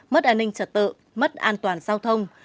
mất an ninh trật tự mất an toàn giao thông